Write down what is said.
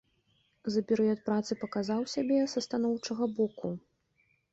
За перыяд працы паказаў сябе са станоўчага боку.